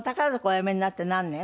おやめになって何年？